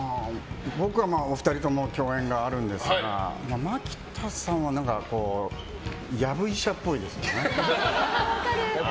僕はお二人とも共演があるんですがマキタさんはヤブ医者っぽいですよね。